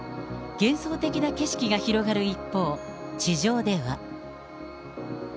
幻想的な景色が広がる一方、地上では。